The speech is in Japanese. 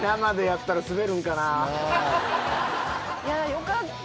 よかった。